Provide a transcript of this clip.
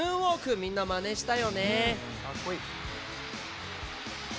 みんなまねしたよね？